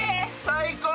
最高。